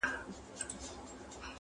زوړ خر، نوې توبره.